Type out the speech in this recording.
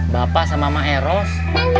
bapak sama maeros